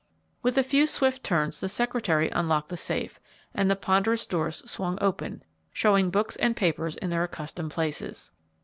With a few swift turns the secretary unlocked the safe and the ponderous doors swung open, showing books and papers in their accustomed places.